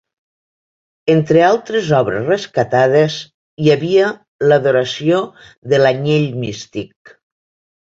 Entre altres obres rescatades hi havia "L'adoració de l'Anyell Místic".